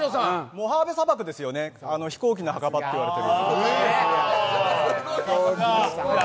モハーブ砂漠ですよね、飛行機の墓場と言われている。